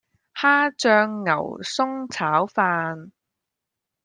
蝦醬牛崧炒飯